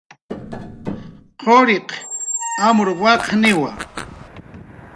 quriq amur waqniwa